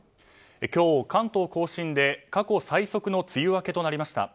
今日関東・甲信で過去最速の梅雨明けとなりました。